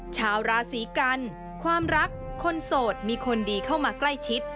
ชาวราศีกันความรักคนโสดมีคนดีเข้ามาใกล้ชิด